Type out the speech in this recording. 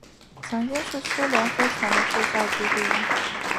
曾经是苏联飞船的制造基地。